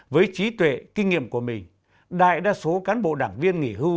với trí tuệ kinh nghiệm của mình đại đa số cán bộ đảng viên nghỉ hưu